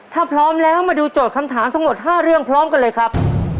ถ้าพร้อมแล้วมาดูโจทย์คำถามทั้งหมด๕เรื่องพร้อมกันเลยครับ